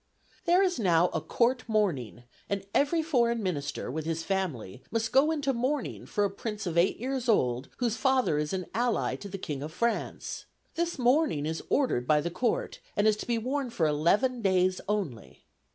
"There is now a Court mourning, and every foreign minister, with his family, must go into mourning for a Prince of eight years old, whose father is an ally to the King of France. This mourning is ordered by the Court, and is to be worn for eleven days only.